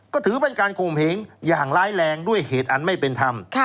ก็ถือเป็นการข่มเหงอย่างร้ายแรงด้วยเหตุอันไม่เป็นธรรม